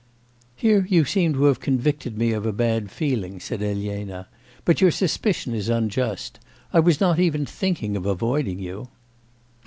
'Here you seem to have convicted me of a bad feeling,' said Elena, 'but your suspicion is unjust. I was not even thinking of avoiding you.